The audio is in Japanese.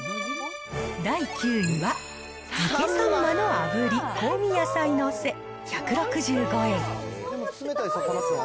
第９位は、漬けさんまの炙り香味野菜のせ、１６５円。